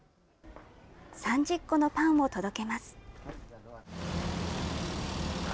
３０個のパンを届けます。